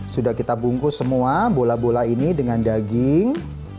sudah kita bungkus semua bola bola ini dengan daging